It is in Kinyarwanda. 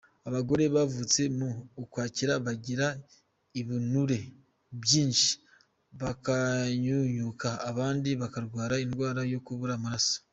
Abagore bavutse mu Ukwakira bagira ibinure byinshi, bakanyunyuka, abandi bakarwara indwara yo kubura amaraso.